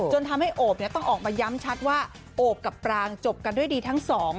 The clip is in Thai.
จนทำให้โอบต้องออกมาย้ำชัดว่าโอบกับปรางจบกันด้วยดีทั้งสอง